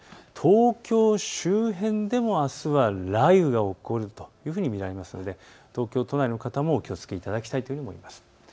東京周辺でもあすは雷雨が起こると見られますので東京都内の方もお気をつけいただきたいと思います。